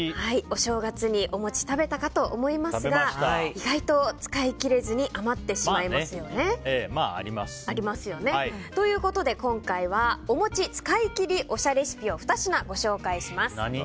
お正月におもち食べたかと思いますが意外と使い切れずに余ってしまいますよね。ということで今回はおもち使い切りおしゃレシピを２品、ご紹介します。